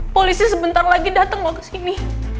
polisi sebentar lagi dateng mau kesini